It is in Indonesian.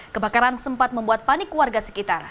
kebakaran sempat membuat panik warga sekitar